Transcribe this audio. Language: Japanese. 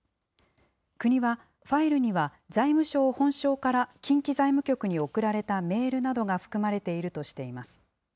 国は、ファイルには財務省本省から近畿財務局に送られたメールなどが含まれているとしています。